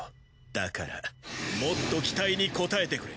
だからもっと期待に応えてくれ！